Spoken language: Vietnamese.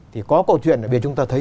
thì có câu chuyện là bây giờ chúng ta thấy